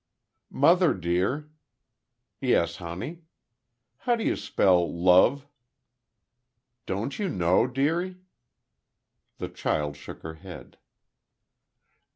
"Mother, dear?" "Yes, honey?" "How do you spell love?" "Don't you know, dearie?" The child shook her head.